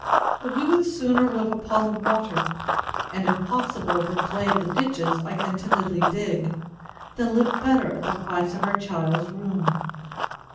But we would sooner live upon the water, and, if possible, the clay of the ditches I contentedly dig, than live better at the price of our child's ruin.